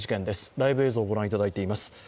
ライブ映像をご覧いただいています。